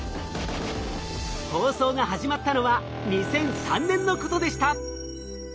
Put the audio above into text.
放送が始まったのは２００３年のことでした。